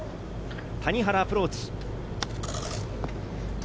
谷原、アプローチ。